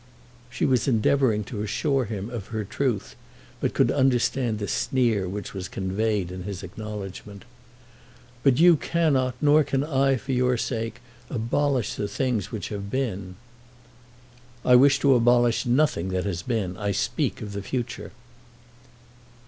She was endeavouring to assure him of her truth, but could understand the sneer which was conveyed in his acknowledgement. "But you cannot, nor can I for your sake, abolish the things which have been." "I wish to abolish nothing that has been. I speak of the future."